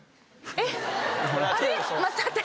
えっ！